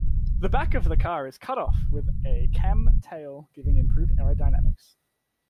The back of the car is "cut-off" with a "Kamm tail" giving improved aerodynamics.